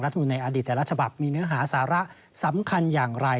ในอดีตแต่ละฉบับมีเนื้อหาสาระสำคัญอย่างไร